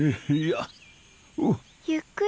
ゆっくりね。